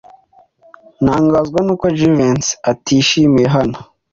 Ntangazwa nuko Jivency atishimiye hano.